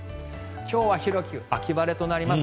今日は広く秋晴れとなります。